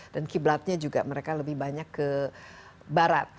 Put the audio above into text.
dan kiblatnya juga mereka lebih banyak ke barat